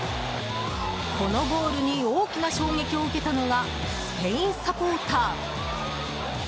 このゴールに大きな衝撃を受けたのがスペインサポーター。